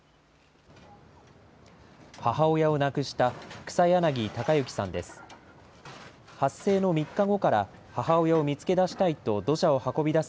母親を亡くした草やなぎ孝幸さんです。